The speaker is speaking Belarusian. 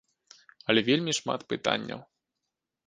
Але вельмі шмат пытанняў.